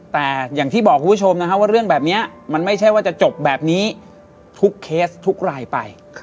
แต่อย่างที่บอกคุณผู้ชมนะครับว่าเรื่องแบบนี้มันไม่ใช่ว่าจะจบแบบนี้ทุกเคสทุกรายไป